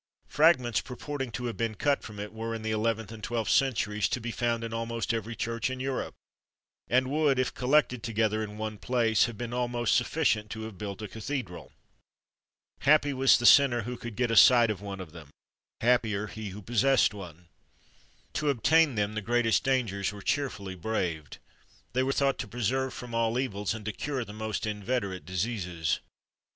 Fragments, purporting to have been cut from it, were, in the eleventh and twelfth centuries, to be found in almost every church in Europe, and would, if collected together in one place, have been almost sufficient to have built a cathedral. Happy was the sinner who could get a sight of one of them; happier he who possessed one! To obtain them the greatest dangers were cheerfully braved. They were thought to preserve from all evils, and to cure the most inveterate diseases.